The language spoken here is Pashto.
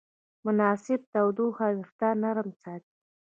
مناسب تودوخه وېښتيان نرم ساتي.